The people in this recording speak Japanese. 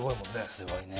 すごいね。